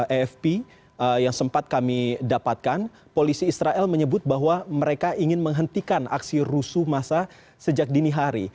afp yang sempat kami dapatkan polisi israel menyebut bahwa mereka ingin menghentikan aksi rusuh masa sejak dini hari